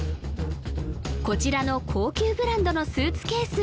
こちらの高級ブランドのスーツケース